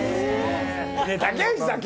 竹内さん